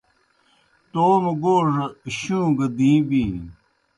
توموْ گوڙہ شُوں گی دِیں بِینوْ